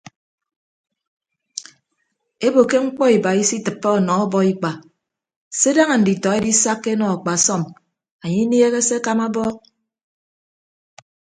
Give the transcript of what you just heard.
Ebo ke mkpọ iba isitịppe ọnọ ọbọikpa se daña nditọ edisakka enọ akpasọm anye inieehe se akama abọọk.